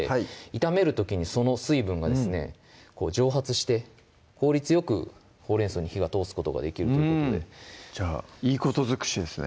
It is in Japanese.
炒める時にその水分がですね蒸発して効率よくほうれん草に火が通すことができるということでじゃあいいこと尽くしですね